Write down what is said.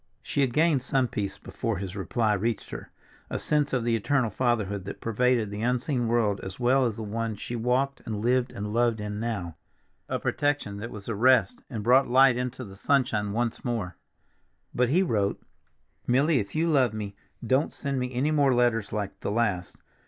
She had gained some peace before his reply reached her—a sense of the eternal Fatherhood that pervaded the unseen world as well as the one she walked and lived and loved in now—a protection that was a rest and brought light into the sunshine once more. But he wrote, "Milly, if you love me, don't send me any more letters like the last.